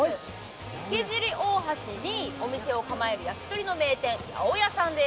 池尻大橋にお店を構える焼き鳥の名店、やおやさんです。